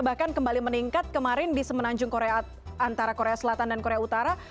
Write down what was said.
bahkan kembali meningkat kemarin di semenanjung korea antara korea selatan dan korea utara